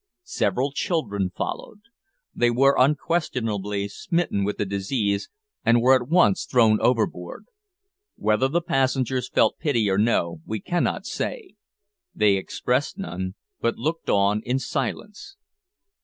Several children followed. They were unquestionably smitten with the disease, and were at once thrown overboard. Whether the passengers felt pity or no we cannot say. They expressed none, but looked on in silence.